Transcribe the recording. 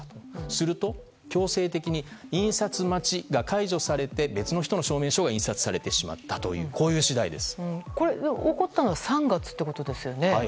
すると、強制的に印刷待ちが解除されて別の人の証明書が印刷されてしまったという起こったのは３月ってことですよね？